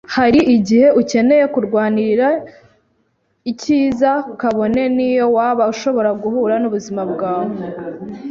Hari igihe ukeneye kurwanira icyiza, kabone niyo waba ushobora guhura nubuzima bwawe